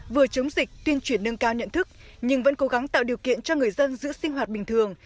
vừa chống dịch tuyên truyền nâng cao nhận thức nhưng vẫn cố gắng tạo điều kiện cho người dân giữ sinh hoạt bình thường